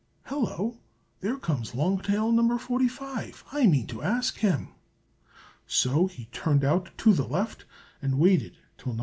Hello! there comes Long Tail No. 45. I mean to ask him." So he turned out to the left, and waited till No.